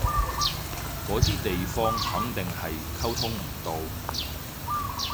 嗰啲地方肯定係溝通唔到